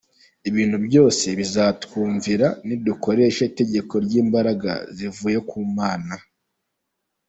Ibintu byose bizatwumvira nidukoresha itegeko ry’imbaraga zivuye ku Mana”.